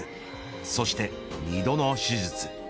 そして２度の手術。